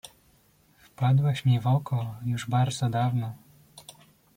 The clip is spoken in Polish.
Wpadłaś mi w oko już bardzo dawno.